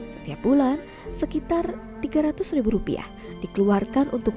setiap bulan sekitar tiga ratus ribu rupiah dikeluarkan untuk